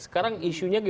sekarang isu ini